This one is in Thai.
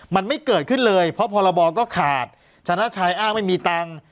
มันไม่เกิดขึ้นเลยเพราะพรบก็ขาดชนะชายอ้างไม่มีตังค์